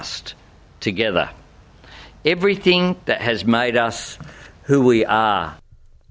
semuanya yang telah membuat kita seperti yang kita ini